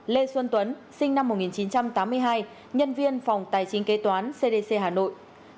lê xuân tuấn sinh năm một nghìn chín trăm tám mươi hai nhân viên phòng tài chính kế toán cdc hà nội